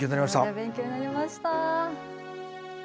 勉強になりました。